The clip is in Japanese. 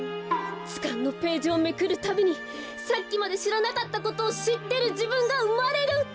ずかんのページをめくるたびにさっきまでしらなかったことをしってるじぶんがうまれる！